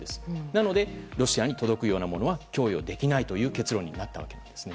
なのでロシアに届くようなものは供与できないという結論になったわけです。